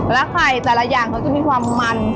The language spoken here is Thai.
และไข่แต่ละอย่างเขาจะมีความมัน